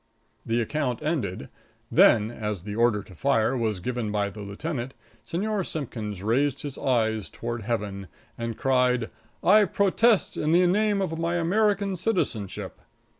The account ended: "Then, as the order to fire was given by the lieutenant, Señor Simpkins raised his eyes toward Heaven and cried: 'I protest in the name of my American citizenship!'"